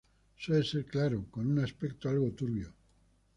Suele ser claro, con un aspecto algo turbio.